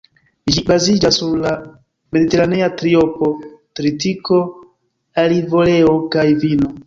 Ĝi baziĝas sur la ""mediteranea triopo"": tritiko, olivoleo kaj vino.